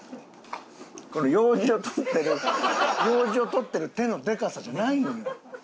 これようじを取ってるようじを取ってる手のでかさじゃないんよ。